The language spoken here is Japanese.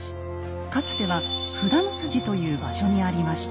かつては札のという場所にありました。